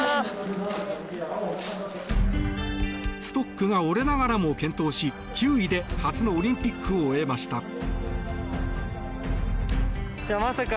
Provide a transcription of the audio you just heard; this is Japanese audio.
ストックが折れながらも健闘し９位で初のオリンピックを終えました。